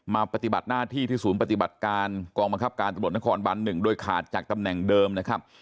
ปฏิบัติหน้าที่ที่ศูนย์ปฏิบัติการกองบังคับการตำรวจนครบัน๑โดยขาดจากตำแหน่งเดิมนะครับ